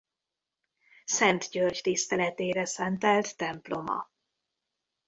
Szent György tiszteletére szentelt temploma.